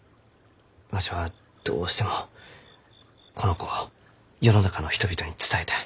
わしはどうしてもこの子を世の中の人々に伝えたい。